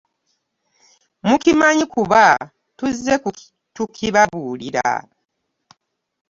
Mukimanyi kuba tuzze tukibabuulira.